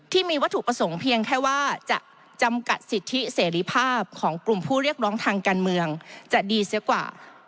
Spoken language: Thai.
ที่มีวัตถุประสงค์เพียงแค่ว่าจะจำกัดสิทธิเสรีภาพของกลุ่มผู้เรียกร้องทางการเมืองจะดีเสียกว่า